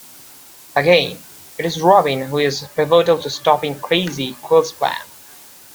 Again, it is Robin who is pivotal to stopping Crazy Quilt's plans.